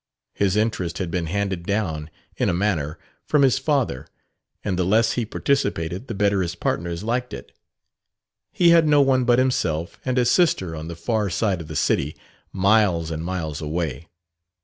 His interest had been handed down, in a manner, from his father; and the less he participated the better his partners liked it. He had no one but himself, and a sister on the far side of the city, miles and miles away.